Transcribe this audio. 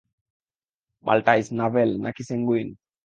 Maltese, navel, না কি সেঙ্গুইন?